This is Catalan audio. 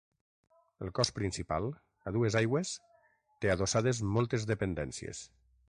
El cos principal, a dues aigües, té adossades moltes dependències.